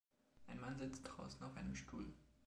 Ein Mann sitzt draußen auf einem Stuhl.